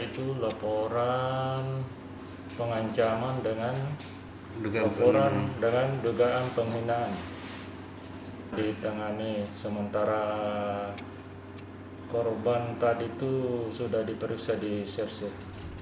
korban tadi itu sudah diperiksa di serset